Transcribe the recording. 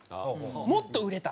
もっと売れた。